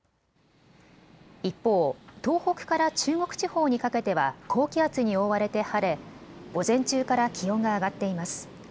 一方、東北から中国地方にかけては高気圧に覆われて晴れ午前中から気温が上がっています。